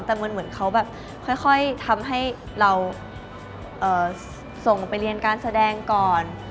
แต่เหมือนเขาแบบค่อยทำให้เราส่งไปเรียนการแสดงก่อน